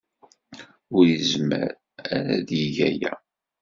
Ur izemmer ara ad yeg aya.